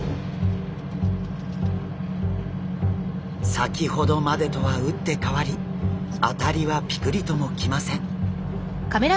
先ほどまでとは打って変わり当たりはピクリともきません。